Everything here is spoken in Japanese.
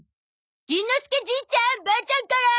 銀の介じいちゃんばあちゃんから！